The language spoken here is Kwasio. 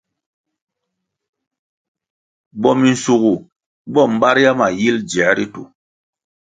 Bo minshugu bo mbaria ma yil dziē ritu.